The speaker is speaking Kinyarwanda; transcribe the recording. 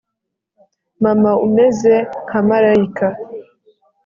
mama umeze nka malayika